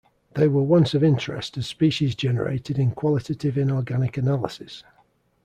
They were once of interest as species generated in qualitative inorganic analysis.